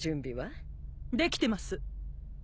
できてます。